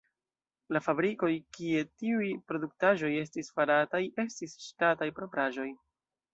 La fabrikoj, kie tiuj produktaĵoj estis farataj, estis ŝtataj propraĵoj.